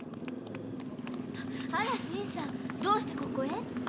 あら新さんどうしてここへ？